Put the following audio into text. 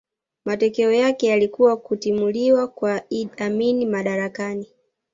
Matokeo yake yalikuwa kutimuliwa kwa Idi Amin madarakani